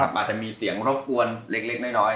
อาจจะมีเสียงรบกวนเล็กน้อย